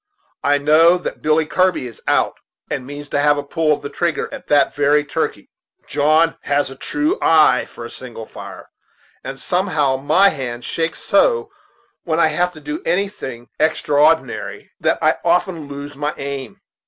I know that Billy Kirby is out, and means to have a pull of the trigger at that very turkey. John has a true eye for a single fire, and, some how, my hand shakes so whenever I have to do anything extrawnary, that I often lose my aim.